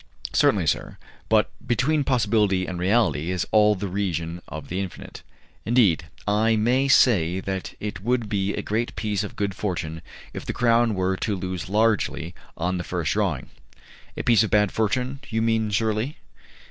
"Certainly, sir, but between possibility and reality is all the region of the infinite. Indeed, I may say that it would be a great piece of good fortune if the Crown were to lose largely on the first drawing." "A piece of bad fortune, you mean, surely?"